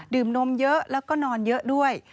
นมเยอะแล้วก็นอนเยอะด้วย